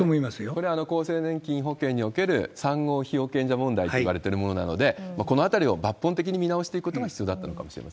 それは厚生年金保険における、３号被保険者問題といわれてるものなので、このあたりを抜本的に見直していくことが必要だったのかもしれま